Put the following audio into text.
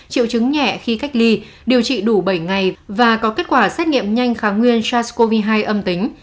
triệu chứng nhẹ khi cách ly điều trị đủ bảy ngày và có kết quả xét nghiệm nhanh kháng nguyên sars cov hai âm tính